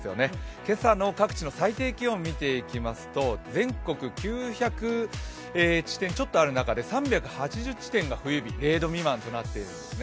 今朝の各地の最低気温を見てみますと全国９００地点ある中で、３８０地点が冬日０度未満となっているんです。